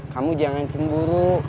kamu jangan cemburu